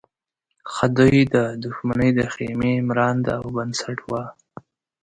خدۍ د دښمنۍ د خېمې مرانده او بنسټ وه.